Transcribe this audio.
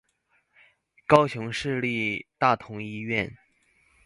高雄市立大同醫院